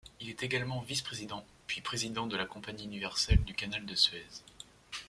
Il est également vice-président, puis président de la compagnie universelle du canal de Suez.